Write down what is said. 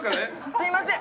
すいません。